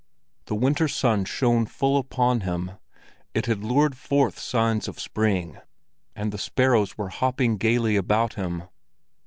The winter sun shone full upon him; it had lured forth signs of spring, and the sparrows were hopping gaily about him.